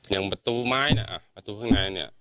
อย่างประตูไม้นะประตูข้างในเนี่ย